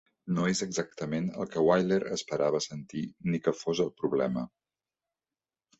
No és exactament el que Wyler esperava sentir ni que fos el problema.